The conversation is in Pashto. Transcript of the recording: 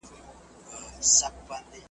د ُملا په څېر به ژاړو له اسمانه .